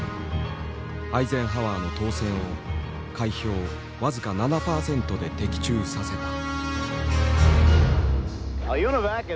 アイゼンハワーの当選を開票僅か７％で的中させた。